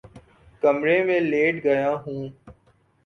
کمرے میں لیٹ گیا ہوں